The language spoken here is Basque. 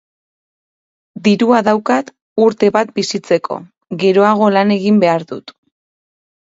Dirua daukat urte bat bizitzeko geroago lan egin behar dut